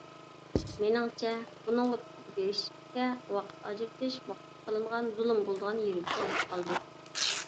مېنىڭچە، بۇنىڭغا پىكىر بېرىشكە ۋاقىت ئاجرىتىش ۋاقىتقا قىلىنغان زۇلۇم بولىدىغان يېرىگە كېلىپ قالدى.